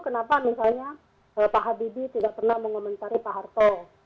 kenapa misalnya pak habibie tidak pernah mengomentari pak harto